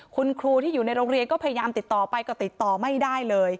คุณครูที่อยู่ในโรงเรียนก็พยายามติดต่อไปก็ติดต่อไม่ได้เลย